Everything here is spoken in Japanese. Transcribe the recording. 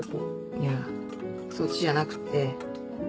いやそっちじゃなくって。